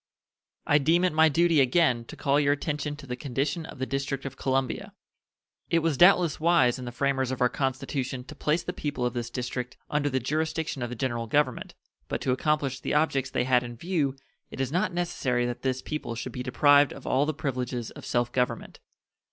I deem it my duty again to call your attention to the condition of the District of Columbia. It was doubtless wise in the framers of our Constitution to place the people of this District under the jurisdiction of the General Government, but to accomplish the objects they had in view it is not necessary that this people should be deprived of all the privileges of self government.